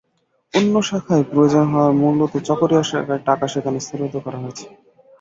অন্য শাখায় প্রয়োজন হওয়ায় মূলত চকরিয়া শাখার টাকা সেখানে স্থানান্তর করা হয়েছে।